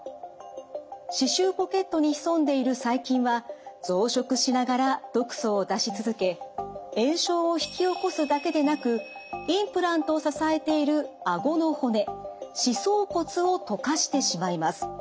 歯周ポケットに潜んでいる細菌は増殖しながら毒素を出し続け炎症を引き起こすだけでなくインプラントを支えているあごの骨歯槽骨を溶かしてしまいます。